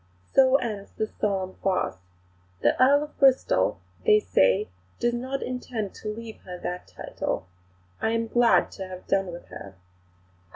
So ends the solemn farce. The Earl of Bristol, they say, does not intend to leave her that title.... I am glad to have done with her."